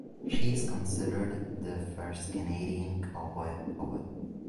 She is considered the first Canadian cowboy poet.